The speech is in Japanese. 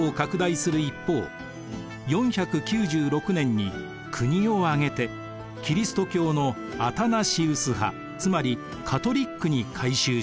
４９６年に国を挙げてキリスト教のアタナシウス派つまりカトリックに改宗します。